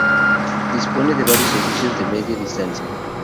Dispone de amplios servicios de Media Distancia.